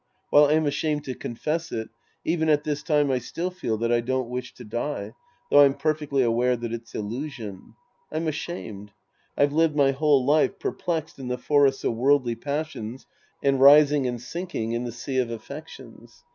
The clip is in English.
While I'm ashamed to confess it, even at this time I still feel that I don't wish to die, though I'm perfectly aware that it's illusion. I'm ashamed. I've lived my whole life perplexed in the forests of worldly passions and rising and sinking in the sea of affections.